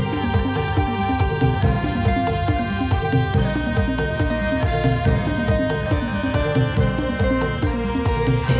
เธอไม่รู้ว่าเธอไม่รู้